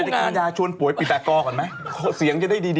คุณแต่ละกายาชวนป่วยปิดตากรก่อนไหมเขาเสียงจะได้ดีหน่อย